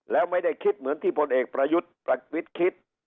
แล้วไม่ได้คิดเหมือนที่พลเอกประยุทธ์คิด